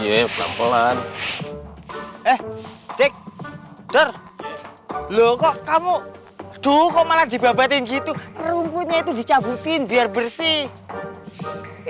uang jalan eh dek der lu kok kamu dukungkan dibabakin gitu rumputnya itu dicabutin biar bersih